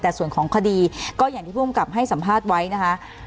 แต่ส่วนของคดีก็อย่างที่ภูมิกับให้สัมภาษณ์ไว้นะคะ